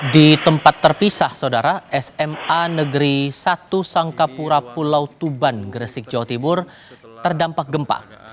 di tempat terpisah saudara sma negeri satu sangkapura pulau tuban gresik jawa timur terdampak gempa